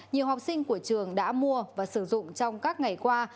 nhiều học sinh của trường đã mua và sử dụng trong các ngày qua